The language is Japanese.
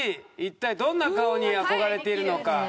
一体どんな顔に憧れているのか？